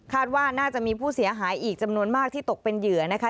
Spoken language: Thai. ว่าน่าจะมีผู้เสียหายอีกจำนวนมากที่ตกเป็นเหยื่อนะคะ